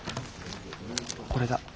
これだ。